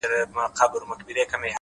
وخت د ژوند نه تکرارېدونکې پانګه ده؛